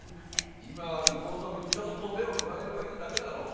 今ある校則にちょっと手を加えればいいだけだろう。